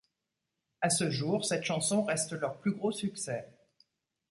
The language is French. À ce jour, cette chanson reste leur plus gros succès.